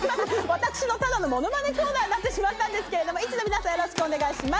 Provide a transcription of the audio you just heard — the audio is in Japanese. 私のただのものまねコーナーになってしまったんですけどＩＴＺＹの皆さん、よろしくお願いします。